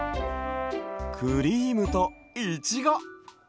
クリームといちご。